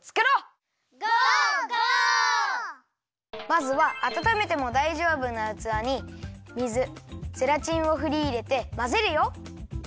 まずはあたためてもだいじょうぶなうつわに水ゼラチンをふりいれてまぜるよ。